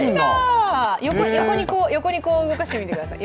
横にこう動かしてみてください。